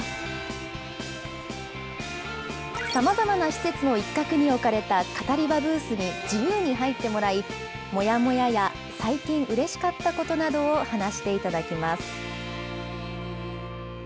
さまざまな施設の一角に置かれたカタリバブースに自由に入ってもらい、もやもやや、最近うれしかったことなどを話していただきます。